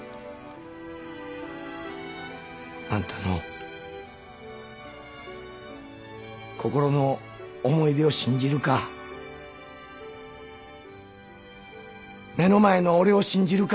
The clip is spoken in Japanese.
あんたの心の思い出を信じるか目の前の俺を信じるか任すわ。